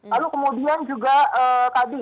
lalu kemudian juga tadi